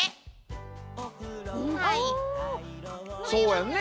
そうやね。